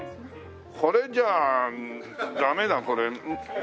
これじゃあダメだこれ。